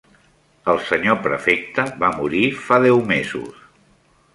El Senyor Prefecte va morir fa deu mesos.